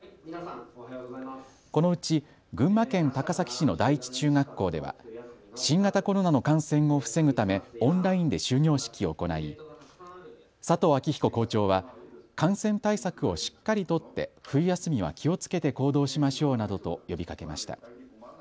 このうち群馬県高崎市の第一中学校では新型コロナの感染を防ぐためオンラインで終業式を行い佐藤明彦校長は感染対策をしっかり取って冬休みは気をつけて行動しましょうなどと呼びかけました。